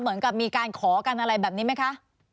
เหมือนกับมีการขอกันอะไรแบบนี้ไหมคะ